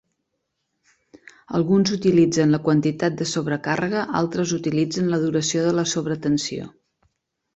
Alguns utilitzen la quantitat de sobrecàrrega; altres utilitzen la duració de la sobretensió.